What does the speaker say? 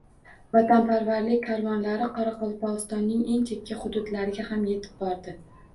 “Vatanparvarlik karvon”lari Qoraqalpog‘istonning eng chekka hududlariga ham yetib bordi